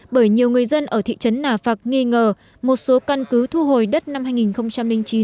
bởi nhiều người dân ở thị trấn nà phạc nghi ngờ một số căn cứ thu hồi đất năm hai nghìn chín